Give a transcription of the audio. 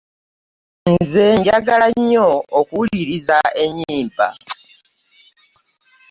Nze njagala nyo okuwuliriza enyimba.